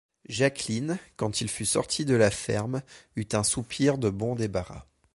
Jacqueline, quand il fut sorti de la ferme, eut un soupir de bon débarras.